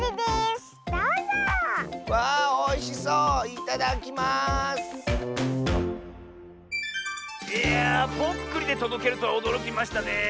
いやぽっくりでとどけるとはおどろきましたねえ。